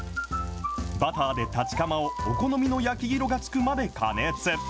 バターでたちかまをお好みの焼き色がつくまで加熱。